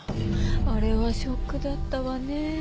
あれはショックだったわね。